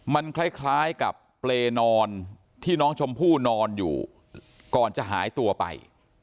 มันคล้ายกับเปรย์นอนที่น้องชมพู่นอนอยู่ก่อนจะหายตัวไป